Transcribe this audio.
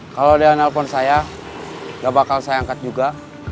kalau dia nelfon saya gak bakal saya angkat juga